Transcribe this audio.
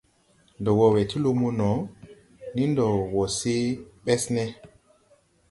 Ndɔ wɔ we ti lumo no, nii ndɔ wɔ se Ɓɛsne.